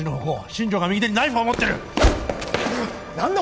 新城が右手にナイフを持ってる何だ